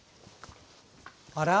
あら？